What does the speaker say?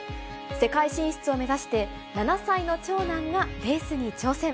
世界進出を目指して、７歳の長男がレースに挑戦。